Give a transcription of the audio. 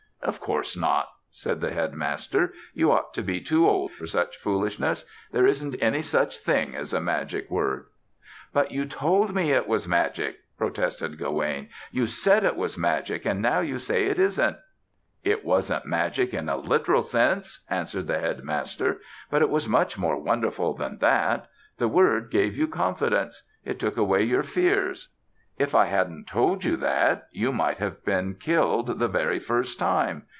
"Of course not," said the Headmaster, "you ought to be too old for such foolishness. There isn't any such thing as a magic word." "But you told me it was magic," protested Gawaine. "You said it was magic and now you say it isn't." "It wasn't magic in a literal sense," answered the Headmaster, "but it was much more wonderful than that. The word gave you confidence. It took away your fears. If I hadn't told you that you might have been killed the very first time.